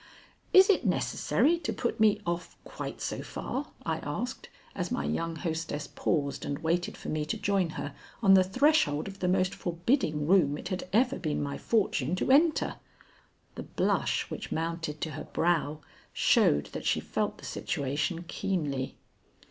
"Is it necessary to put me off quite so far?" I asked, as my young hostess paused and waited for me to join her on the threshold of the most forbidding room it had ever been my fortune to enter. The blush which mounted to her brow showed that she felt the situation keenly.